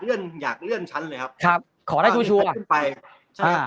เลื่อนอยากเลื่อนชั้นเลยครับครับขอได้ดูชัวร์อ่ะไปอ่า